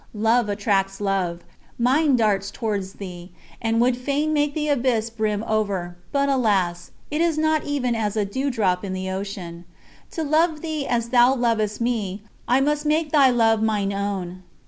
Love attracts love; mine darts towards Thee, and would fain make the abyss brim over, but alas! it is not even as a dewdrop in the ocean. To love Thee as Thou lovest me, I must make Thy Love mine own.